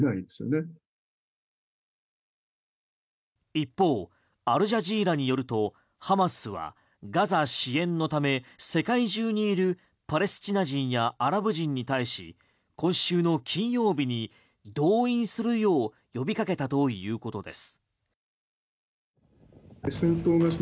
一方、アルジャジーラによるとハマスはガザ支援のため世界中にいるパレスチナ人やアラブ人に対し今週の金曜日に動員するよう呼びかけたということです。